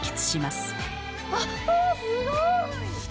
あすごい！